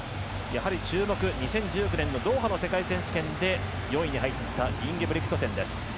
注目は２０１９年のドーハの世界選手権で４位に入ったインゲブリクトセンです。